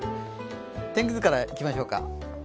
天気図からいきましょうか。